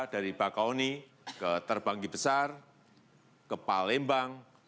dari bakauni ke terbanggi besar ke palembang